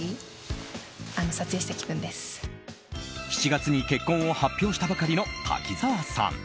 ７月に結婚を発表したばかりの滝沢さん。